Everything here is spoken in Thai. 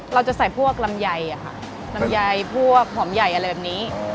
เราจะใส่พวกลำไยค่ะลำไยพวกหอมใหญ่อะไรแบบนี้